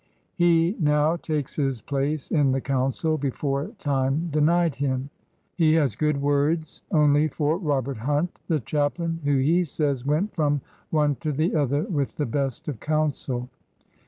He now takes his place in the Council, beforetime denied him. He has good words only for Robert Hunt, the chaplain, who, he says, went from one to the other with the best of counsel.